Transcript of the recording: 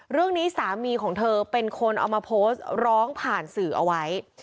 เรื่องนี้สามีของเธอเป็นคนเอามาโพสต์ร้องผ่านสื่อเอาไว้